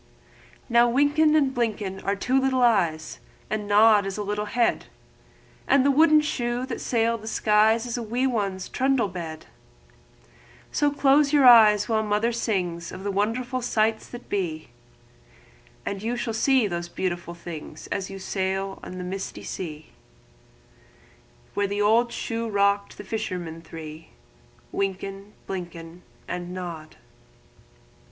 Wynken and Blynken are two little eyes, And Nod is a little head, And the wooden shoe that sailed the skies Is a wee one's trundle bed; So shut your eyes while Mother sings Of wonderful sights that be, And you shall see the beautiful things As you rock on the misty sea Where the old shoe rocked the fishermen three, Wynken, Blynken, And Nod.